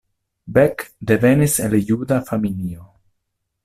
Beck devenis el juda familio.